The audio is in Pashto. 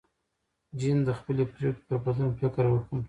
جین د خپلې پرېکړې پر بدلون فکر وکړ.